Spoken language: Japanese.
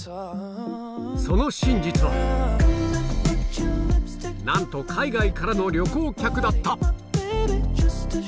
その真実はなんと海外からの旅行客だった！